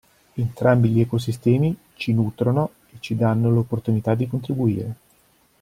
Entrambi gli ecosistemi ci "nutrono" e ci danno l'opportunità di contribuire.